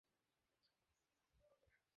তাহার পরদিন ভোরে নক্ষত্ররায় উঠিয়াছেন।